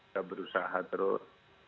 kita berusaha terus